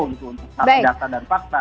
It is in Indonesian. untuk satu data dan fakta